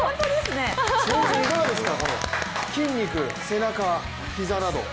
いかがですか筋肉、背中、膝など。